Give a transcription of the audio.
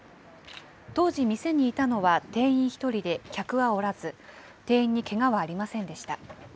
当時、店にいたのは店員１人で客はおらず、店員にけがはありませんでした。